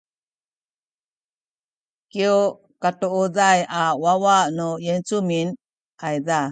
kyu katuuday a wawa nu yincumin ayza